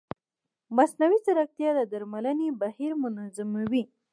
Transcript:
مصنوعي ځیرکتیا د درملنې بهیر منظموي.